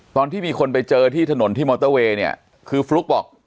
ตอนที่มีคนไปเจอที่ถนนที่มอเตอร์เวย์เนี่ยคือฟลุ๊กบอก